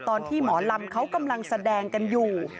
ตอนที่หมอลำเขากำลังแสดงกันอยู่